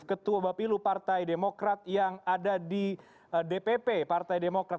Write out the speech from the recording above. ketua bapilu partai demokrat yang ada di dpp partai demokrat